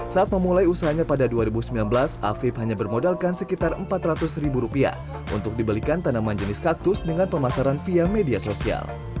saat memulai usahanya pada dua ribu sembilan belas afif hanya bermodalkan sekitar empat ratus ribu rupiah untuk dibelikan tanaman jenis kaktus dengan pemasaran via media sosial